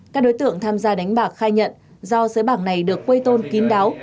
các đối tượng tham gia đánh bạc khai nhận do xứ bạc này được quây tôn kín đáo